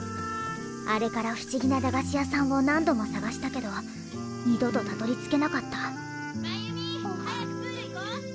あれからふしぎな駄菓子屋さんを何度も探したけど二度とたどりつけなかった真由美早くプール行こう！